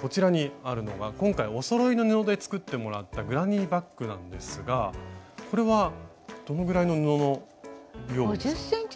こちらにあるのが今回おそろいの布で作ってもらったグラニーバッグなんですがこれはどのぐらいの布の量ですか？